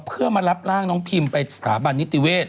เพื่อมารับร่างน้องพิมไปสถาบันนิติเวศ